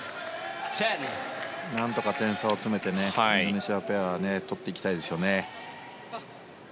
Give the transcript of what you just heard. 何とか点差を詰めてインドネシアペアは取っていきたいですよね。